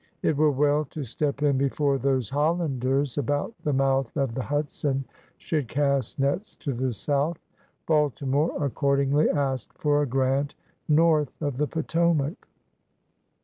It were well to step in before those Hollanders about the mouth of the Hudson should cast nets to the south. Baltimore accordingly asked for a grant north of the Potomac.